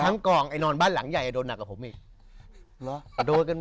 คือทั้งกล่องไอ้นอนบ้านหลังใหญ่โดนหนักกว่าผมอีก